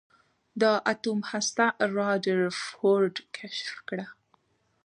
د اتوم هسته رادرفورډ کشف کړه.